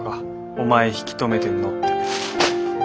お前引き止めてんのって。